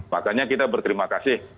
makanya kita berterima kasih